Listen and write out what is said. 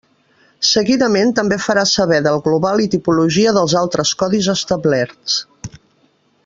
Seguidament també farà saber del global i tipologia dels altres codis establerts.